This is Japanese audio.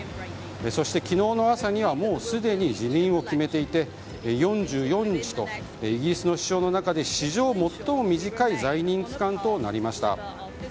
そして、昨日の朝にはもうすでに辞任を決めていて４４日とイギリスの首相の中で史上最も短い在任期間となりました。